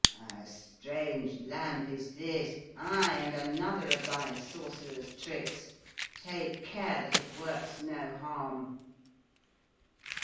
'■ A strange lamp is this, aye, and another of thy sorcerer's tricks; take care that it works no harm."